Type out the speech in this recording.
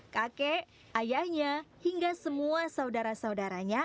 kakek ayahnya hingga semua saudara saudaranya